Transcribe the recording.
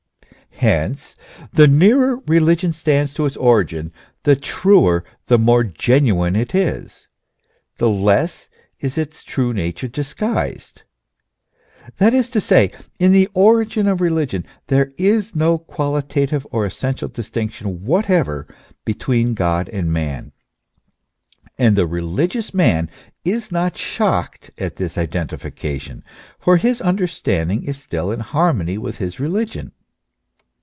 Hence the nearer religion stands to its origin, the truer, the more genuine it is, the less is its true nature disguised; that is to say, in the origin of religion there is no qualitative or essen tial distinction whatever between God and man. And the religious man is not shocked at this identification; for his understanding is still in harmony with his religion.